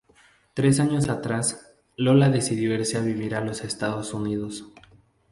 Tres años atrás, Lola decidió irse a vivir a los Estados Unidos.